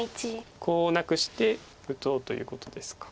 コウをなくして打とうということですか。